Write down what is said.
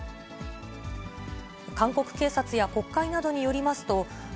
韓国警察や国会などによります